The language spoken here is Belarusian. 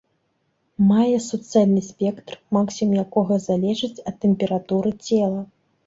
Мае суцэльны спектр, максімум якога залежыць ад тэмпературы цела.